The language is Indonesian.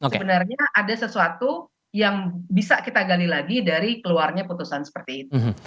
sebenarnya ada sesuatu yang bisa kita gali lagi dari keluarnya putusan seperti itu